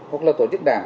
hoặc là tổ chức đảng